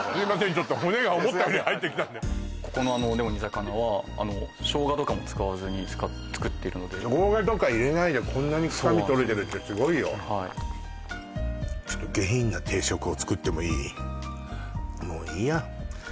ちょっと骨が思ったより入ってきたんでここのあのでも煮魚は生姜とかも使わずに作っているので生姜とか入れないでこんなに臭み取れてるってすごいよはいちょっと下品な定食を作ってもいい？